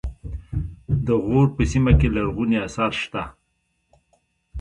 د غور په سیمه کې لرغوني اثار شته